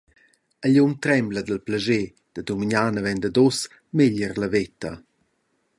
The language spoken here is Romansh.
Igl um trembla dil plascher da dumignar naven dad ussa meglier la veta.